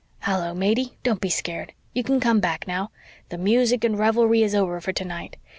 Hullo, Matey, don't be scared. You can come back now. The music and revelry is over for tonight.